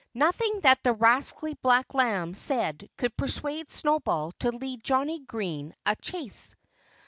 Nothing that the rascally black lamb said could persuade Snowball to lead Johnnie Green a chase.